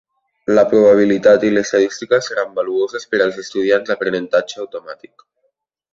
La probabilitat i l'estadística seran valuoses per als estudiants d'aprenentatge automàtic.